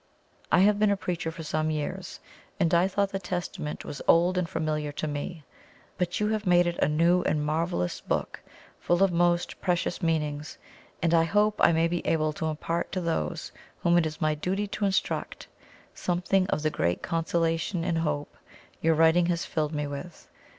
I have been a preacher for some years, and I thought the Testament was old and familiar to me; but you have made it a new and marvellous book full of most precious meanings, and I hope I may be able to impart to those whom it is my duty to instruct, something of the great consolation and hope your writing has filled me with.